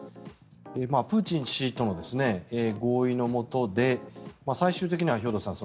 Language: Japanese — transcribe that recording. プーチン氏との合意のもとで最終的には、兵頭さん